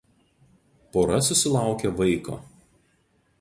Pora susilaukė vaiko.